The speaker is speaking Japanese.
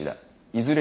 いずれ